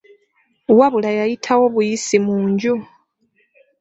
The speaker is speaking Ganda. Wabula yayitawo buyisi mu nju.